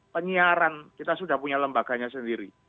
penyiaran kita sudah punya lembaganya sendiri